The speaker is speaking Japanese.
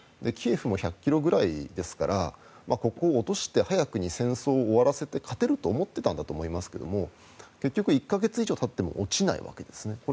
キエフも１００ｋｍぐらいですからここを落として早くに戦争を終わらせて勝てると思っていたんだと思いますが結局１か月以上たっても落ちないわけですね。